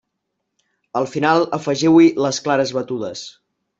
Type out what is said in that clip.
Al final afegiu-hi les clares batudes.